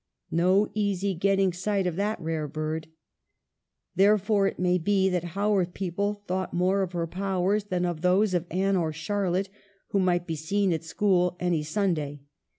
No easy getting sight of that rare bird. Therefore, it may be, the Haworth people thought more of her powers than of those of Anne or Charlotte, who might be seen at school any Sunday.